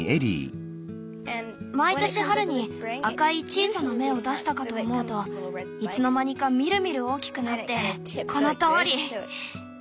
毎年春に赤い小さな芽を出したかと思うといつの間にかみるみる大きくなってこのとおり。